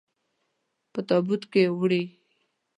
په تابوت کې وړئ.